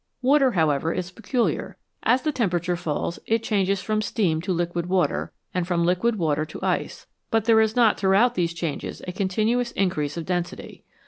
Water, however, is peculiar. As the temperature falls, it changes from steam to liquid water, and from liquid water to ice, but there is not through out these changes a continuous increase of density.